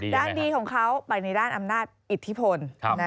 ด้านดีของเขาไปในด้านอำนาจอิทธิพล